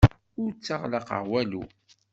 Ur tteɣlaqeɣ walu.